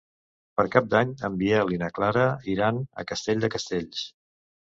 Per Cap d'Any en Biel i na Clara iran a Castell de Castells.